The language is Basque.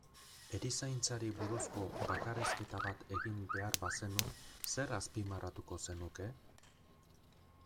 Erizaintzari buruzko bakarrizketa bat egin behar bazenu, zer azpimarratuko zenuke?